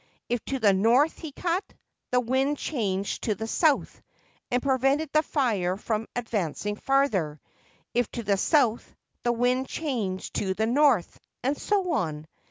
If to the north he cut, the wind changed to the south and prevented the fire from advancing farther ; if to the south, the wind changed to the north ; and so on.